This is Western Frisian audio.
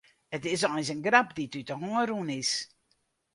It is eins in grap dy't út de hân rûn is.